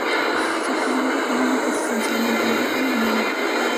Su actividad económica es esencialmente agrícola y ganadera.